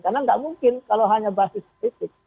karena tidak mungkin kalau hanya basis politik